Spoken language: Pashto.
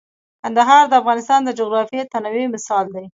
کندهار د افغانستان د جغرافیوي تنوع مثال دی.